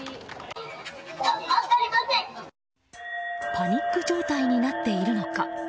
パニック状態になっているのか？